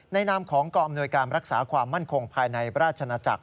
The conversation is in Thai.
นามของกองอำนวยการรักษาความมั่นคงภายในราชนาจักร